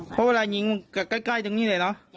เพราะเวลายิงใกล้ตรงนี้เลยเนอะ